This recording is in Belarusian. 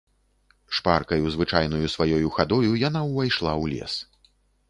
Шпаркаю звычайнаю сваёю хадою яна ўвайшла ў лес.